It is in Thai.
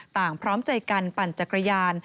พร้อมใจกันปั่นจักรยาน